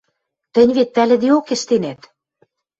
– Тӹнь вет пӓлӹдеок ӹштенӓт?